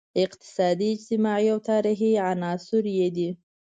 اقتصادي، اجتماعي او تاریخي عناصر یې دي.